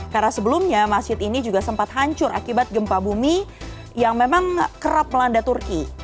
karena sebelumnya masjid ini juga sempat hancur akibat gempa bumi yang memang kerap melanda turki